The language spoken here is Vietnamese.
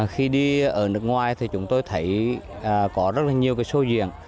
khi đi ở nước ngoài thì chúng tôi thấy có rất là nhiều cái sô diện